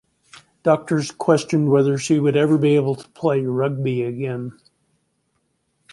Doctors questioned whether she would ever be able to play rugby again.